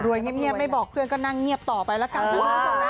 รวยเงียบไม่บอกเพื่อนก็นั่งเงียบต่อไปละกัน